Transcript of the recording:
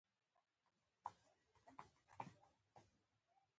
خلکو غبرګون وښود